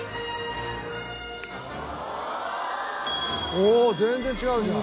お全然違うじゃん。